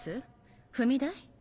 踏み台？